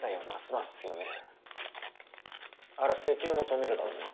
あれは石油も止めるだろうな。